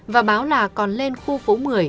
và báo là còn lên khu phố một mươi